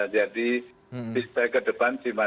jadi bisa ke depan